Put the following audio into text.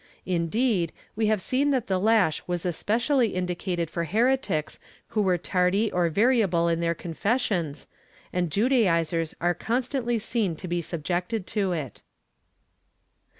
Indeed, we have seen that the lash was especially indicated for heretics who were tardy or variable in their confessions, and Judaizers are constantly seen to be subjected to it.